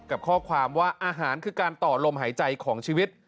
กับข้อความว่าอาหารคือการต่อลมหายใจของชีวิต